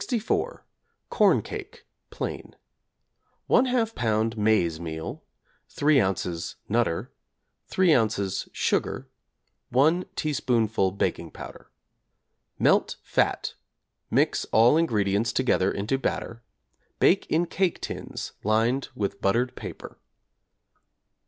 Corn Cake (plain)= 1/2 lb. maize meal, 3 ozs. 'Nutter,' 3 ozs. sugar, 1 teaspoonful baking powder. Melt fat, mix all ingredients together into batter; bake in cake tins lined with buttered paper.